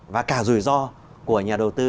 và cả rủi ro của nhà đầu tư